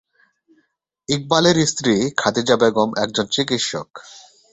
ইকবালের স্ত্রী খাদিজা বেগম একজন চিকিৎসক।